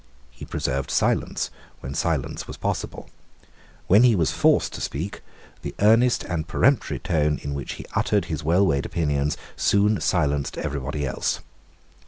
He preserved silence while silence was possible. When he was forced to speak, the earnest and peremptory tone in which he uttered his well weighed opinions soon silenced everybody else.